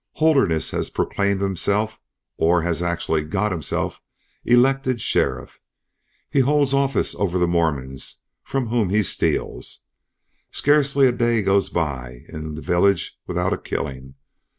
Holderness has proclaimed himself or has actually got himself elected sheriff. He holds office over the Mormons from whom he steals. Scarcely a day goes by in the village without a killing.